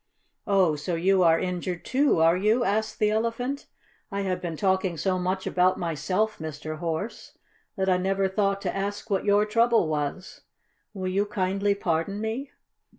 "Oh, so you are injured, too, are you?" asked the Elephant. "I have been talking so much about myself, Mr. Horse, that I never thought to ask what your trouble was. Will you kindly pardon me?"